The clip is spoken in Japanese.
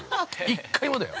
一回もだよ。